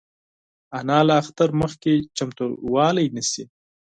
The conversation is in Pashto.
انا له اختره مخکې چمتووالی نیسي